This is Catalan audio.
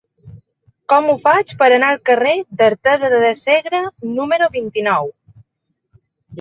Com ho faig per anar al carrer d'Artesa de Segre número vint-i-nou?